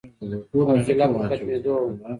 حوصله پر ختمېدو وه